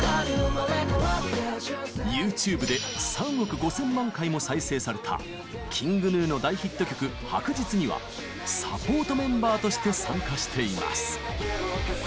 ＹｏｕＴｕｂｅで３億５０００万回も再生されたＫｉｎｇＧｎｕの大ヒット曲「白日」にはサポートメンバーとして参加しています。